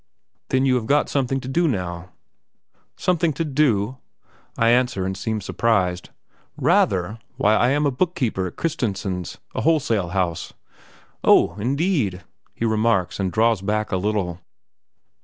"Then you have got something to do now?" "Something to do?" I answer and seem surprised. "Rather! Why, I am book keeper at Christensen's a wholesale house." "Oh, indeed!" he remarks and draws back a little.